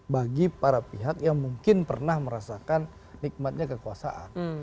bagi para pihak yang mungkin pernah merasakan nikmatnya kekuasaan